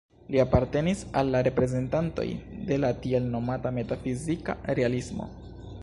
Li apartenis al la reprezentantoj de la tiel nomata "metafizika realismo".